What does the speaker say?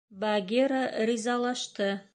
— Багира ризалашты.